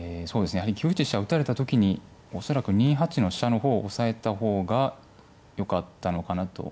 やはり９一飛車を打たれた時に恐らく２八の飛車の方を押さえた方がよかったのかなと思います。